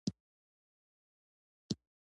د خدای د نازولو کرامات او غیبي فتحې هم وي.